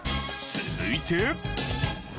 続いて。